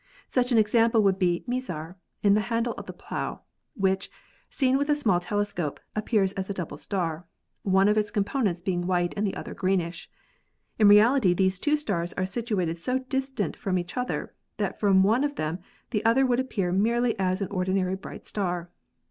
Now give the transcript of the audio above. Such an example would be Mizar, in the handle of the Plow, which, seen with a small telescope, appears as a double star, one of its com ponents being white and the other greenish. In reality these two stars are situated so distant from each other that from one of them the other would appear merely as an ordinary bright star.